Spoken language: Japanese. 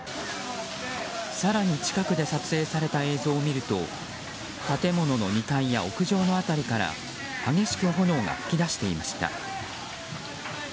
更に近くで撮影された映像を見ると建物の２階や屋上の辺りから激しく炎が噴き出していました。